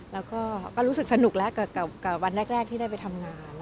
แล้วก็รู้สึกสนุกแล้วกับวันแรกที่ได้ไปทำงาน